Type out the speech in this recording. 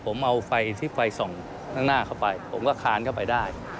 ผมเอาไฟที่ไฟส่องข้างหน้าเข้าไปผมก็คานเข้าไปได้